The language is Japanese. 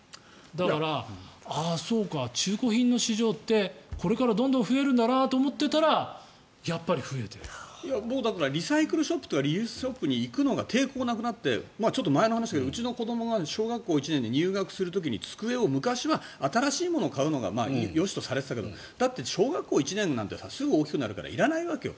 だからああそうか、中古品の市場ってこれからどんどん増えるんだなと思ってたら僕リサイクルショップとかリユースショップに行くのが抵抗なくなってちょっと前の話だけどうちの子どもが小学校１年で入学する時に、机を昔は新しいものを買うのがよしとされていたけどだって小学１年なんてすぐ大きくなるからいらないわけよ。